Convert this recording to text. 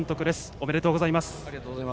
おめでとうございます。